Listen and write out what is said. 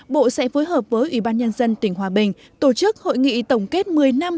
bộ sẽ phối hợp với ủy ban nhân dân tỉnh hòa bình tổ chức hội nghị tổng kết một mươi năm